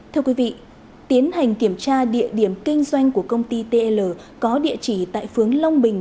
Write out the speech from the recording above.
thưa quý vị tiến hành kiểm tra địa điểm kinh doanh của công ty tl có địa chỉ tại phướng long bình